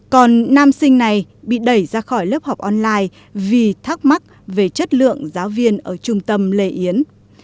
còn nam sinh này bị đẩy ra khỏi lớp học online vì thắc mắc về chất lượng giáo viên ở trung tâm lệ yến